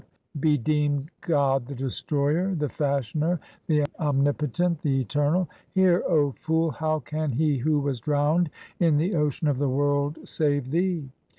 326 THE SIKH RELIGION Be deemed God the Destroyer, the Fashioner, the Omni potent, the Eternal ? Hear, O fool, how can he who was drowned in the ocean of the world save thee